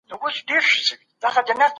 تاسو په پاکوالي کولو بوخت یاست.